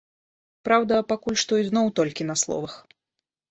Праўда, пакуль што ізноў толькі на словах.